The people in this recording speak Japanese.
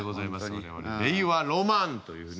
我々令和ロマンというね。